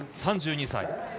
３２歳。